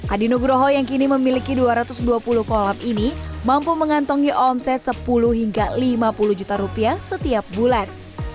adi nugroho yang kini memiliki dua ratus dua puluh kolam ini mampu mengantongi omset sepuluh hingga lima puluh juta rupiah setiap bulan